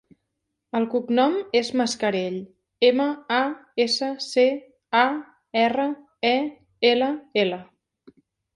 El cognom és Mascarell: ema, a, essa, ce, a, erra, e, ela, ela.